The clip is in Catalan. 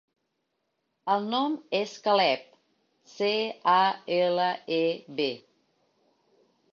El nom és Caleb: ce, a, ela, e, be.